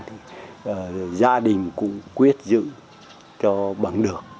thì gia đình cũng quyết giữ cho bằng được